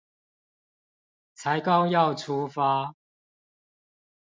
才剛要出發